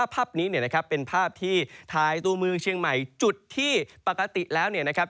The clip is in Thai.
ภาพนี้เป็นภาพที่ท้ายตู้มือเชียงใหม่จุดที่ปกติแล้วนะครับ